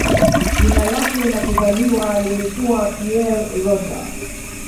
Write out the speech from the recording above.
Jina lake la kuzaliwa lilikuwa "Pierre Roger".